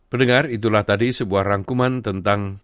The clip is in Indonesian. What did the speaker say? pendengar itulah tadi sebuah rangkuman tentang